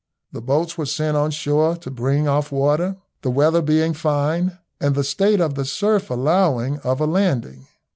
The boats were sent on shore to bring off water, the weather being fine, and the state of the surf allowing of a landing.